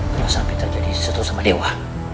jangan sampai terjadi sesuatu sama dewa